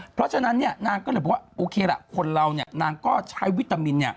เพราะฉะนั้นนางก็เลยบอกว่าโอเคล่ะคนเรานางก็ใช้วิตามิน